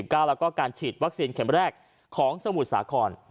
แล้วก็การฉีดวัคซีนเข็มแรกของสมุทรสาคร